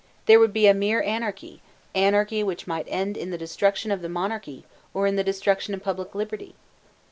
There would be mere anarchy, anarchy which might end in the destruction of the monarchy, or in the destruction of public liberty.